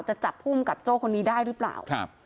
จะจับผู้กำกับโจ้คนนี้ได้หรือเปล่า